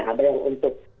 ada yang untuk